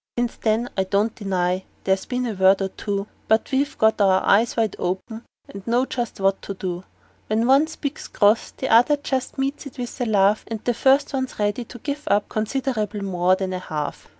Since then I don't deny but there's been a word or two; But we've got our eyes wide open, and know just what to do: When one speaks cross the other just meets it with a laugh, And the first one's ready to give up considerable more than half.